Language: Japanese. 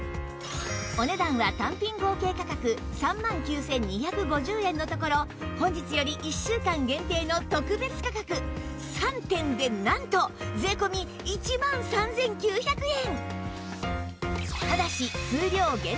お値段は単品合計価格３万９２５０円のところ本日より１週間限定の特別価格３点でなんと税込１万３９００円！